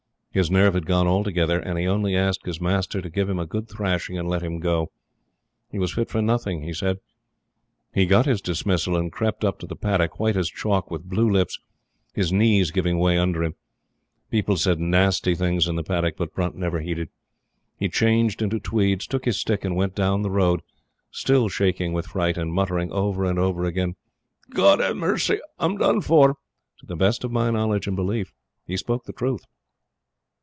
His nerve had gone altogether, and he only asked his master to give him a good thrashing, and let him go. He was fit for nothing, he said. He got his dismissal, and crept up to the paddock, white as chalk, with blue lips, his knees giving way under him. People said nasty things in the paddock; but Brunt never heeded. He changed into tweeds, took his stick and went down the road, still shaking with fright, and muttering over and over again: "God ha' mercy, I'm done for!" To the best of my knowledge and belief he spoke the truth.